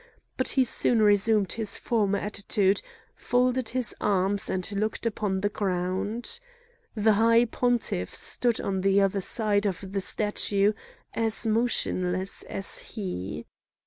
But he soon resumed his former attitude, folded his arms, and looked upon the ground. The high pontiff stood on the other side of the statue as motionless as he.